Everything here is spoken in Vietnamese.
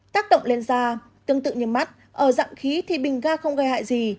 tác động lên da tương tự như mắt ở dạng khí thì bình ga không gây hại gì